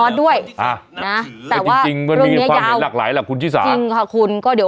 จริงค่ะคุณก็เดี๋ยวค่อยติดตามความกลิ้มหน้ากันไป